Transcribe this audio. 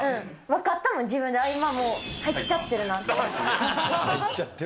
分かったもん、自分で、あっ、今もう入っちゃってるなって。